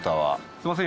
すいません